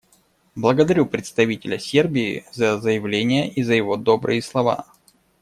Благодарю представителя Сербии за заявление и за его добрые слова.